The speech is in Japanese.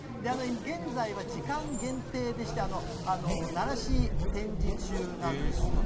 現在は時間限定でして、慣らし展示中なんです。